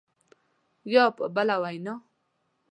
یا په بله وینا